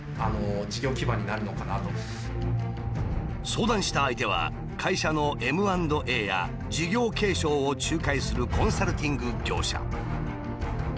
相談した相手は会社のＭ＆Ａや事業継承を仲介するコンサルティング業者。